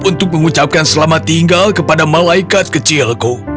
untuk mengucapkan selamat tinggal kepada malaikat kecilku